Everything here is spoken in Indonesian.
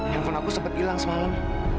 handphone aku sempet hilang semalam